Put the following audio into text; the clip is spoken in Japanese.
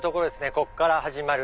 ここから始まる。